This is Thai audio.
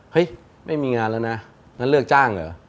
ไม่มีงานแล้วนะงั้นเลือกจ้างเหรอ